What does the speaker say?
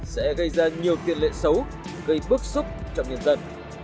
sẽ gây ra nhiều tiền lệ xấu gây bức xúc cho nhân dân